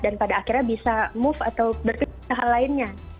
dan pada akhirnya bisa move atau berpikir hal lainnya